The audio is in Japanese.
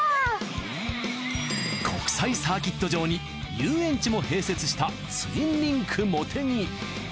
国際サーキット場に遊園地も併設したツインリンクもてぎ。